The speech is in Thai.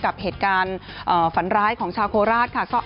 กับเหตุการณ์ฝันร้ายของชาวโคราชค่ะ